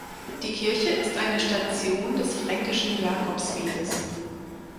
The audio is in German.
Die Kirche ist eine Station des Fränkischen Jakobsweges.